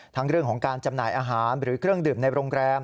ทั้งเรื่องของการจำหน่ายอาหารหรือเครื่องดื่มในโรงแรม